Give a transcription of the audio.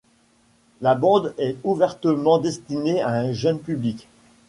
La bande est ouvertement destinée à un jeune public.